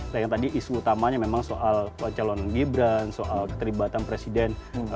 jadi isu utamanya memang soal calon gibran soal ketribatan presiden